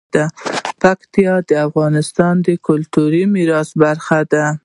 پکتیا د افغانستان د کلتوري میراث برخه ده.